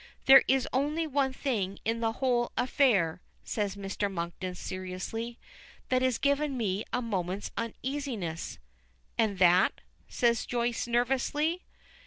There is only one thing in the whole affair," says Mr. Monkton, seriously, "that has given me a moment's uneasiness." "And that?" says Joyce, nervously.